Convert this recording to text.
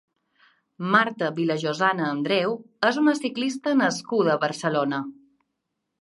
Marta Vilajosana Andreu és una ciclista nascuda a Barcelona.